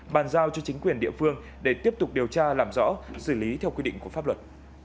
bàn giao cho chính quyền địa phương để tiếp tục điều tra làm rõ xử lý theo quy định của pháp luật